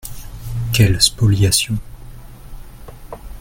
Quelle spoliation